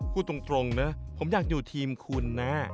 พูดตรงนะผมอยากอยู่ทีมคุณนะ